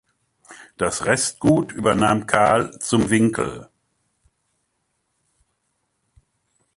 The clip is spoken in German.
Das Restgut übernahm "Karl zum Winkel".